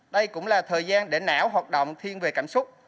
đây cũng là thời gian để não hoạt động thiên về cảm xúc